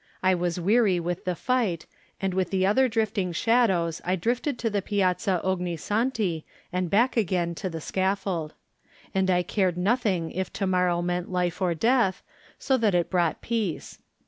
I was weary with the fight, and with the other drifting shadows I drifted to the Piazza Ogni Santi and back again to the scaffold. And I cared nothing if to morrow meant life or death, so that it brought peace.